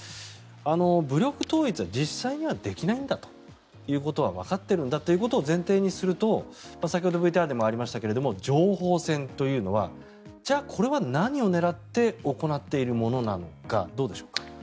武力統一は実際にはできないということはわかっているんだということを前提にすると先ほどＶＴＲでもありましたが情報戦というのはじゃあ、これは何を狙って行っているものなのかどうでしょうか。